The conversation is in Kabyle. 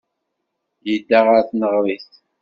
Yedda ɣer tneɣrit.